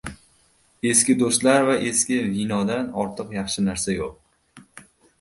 • Eski do‘stlar va eski vinodan ortiq yaxshi narsa yo‘q.